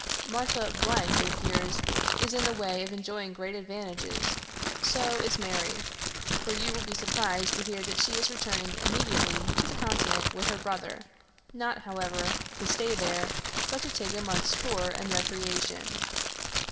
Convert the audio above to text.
Martha , it appears, is in the way of enjoying great advantages; so is Mary, for you will be surprised to hear that she is returning immediately to the Continent with her brother; not, however, to stay there, but to take a month's tour and recreation.